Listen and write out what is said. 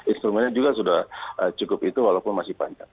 instrumennya juga sudah cukup itu walaupun masih panjang